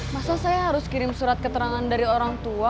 masa saya harus kirim surat keterangan dari orang tua